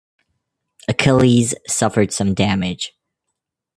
"Achilles" suffered some damage.